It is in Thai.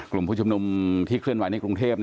กลุ่มผู้ชุมนุมที่เคลื่อนไหวในกรุงเทพ